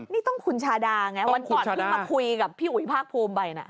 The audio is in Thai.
นี่ต้องคุณชาดาไงวันก่อนเพิ่งมาคุยกับพี่อุ๋ยภาคภูมิไปนะ